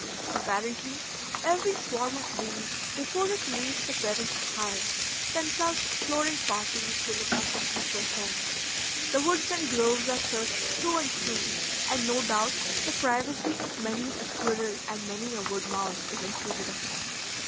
Apparently, every swarm of bees before it leaves the parent hive sends out exploring parties to look up the future home. The woods and groves are searched through and through, and no doubt the privacy of many a squirrel and many a wood mouse is intruded upon.